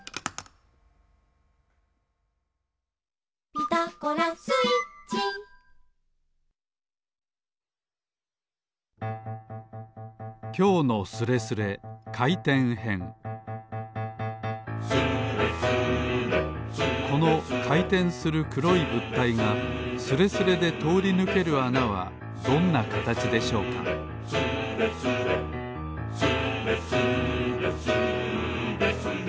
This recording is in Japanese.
「ピタゴラスイッチ」このかいてんするくろいぶったいがスレスレでとおりぬけるあなはどんなかたちでしょうか「スレスレ」「スレスレスーレスレ」